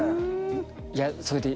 いやそれで。